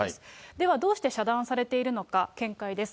ではどうして遮断されているのか、見解です。